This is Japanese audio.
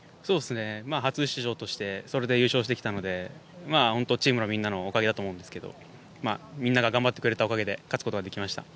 初出場してそれで優勝できたので本当にチームのみんなのおかげだと思うんですけどみんなが頑張ってくれたおかげで勝つことができました。